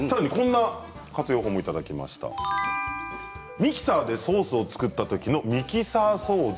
ミキサーでソースを作った時のミキサー掃除